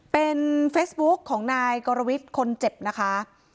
เป็นเฟซบุ๊กของนายกรวิทย์คนเจ็บนะคะ